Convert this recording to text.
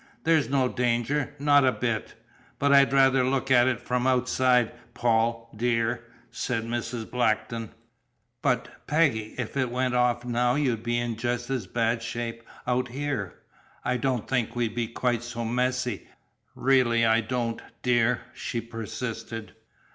"There's no danger not a bit!" "But I'd rather look at it from outside, Paul, dear," said Mrs. Blackton. "But Peggy if it went off now you'd be in just as bad shape out here!" "I don't think we'd be quite so messy, really I don't, dear," she persisted.